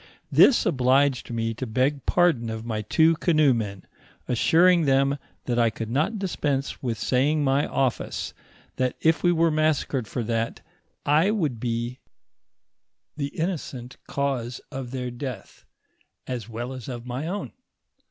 This obliged me to beg pardon of my two canoemen, assuring them that I could not dispense with saying my office, that if we were massacred for that, I would be the innocent DnooTKBira nr nne irasiMirpi vallkt. 117 eanse of their death, as well ag of my own.